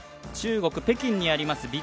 中国・北京にあります